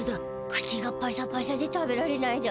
口がパサパサで食べられないだ。